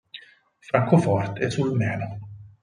Francoforte sul Meno.